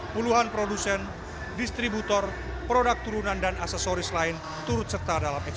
puluhan produsen distributor produk turunan dan aksesoris lain turut serta dalam ekspor